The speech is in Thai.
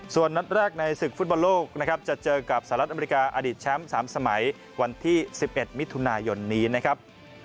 ส่วนนัดแรกในศึกฟุตบอลโลกนะครับจะเจอกับสหรัฐอเมริกาอดีตแชมป์๓สมัยวันที่๑๑มิถุนายนนี้นะครับ